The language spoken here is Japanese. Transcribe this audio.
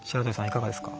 いかがですか？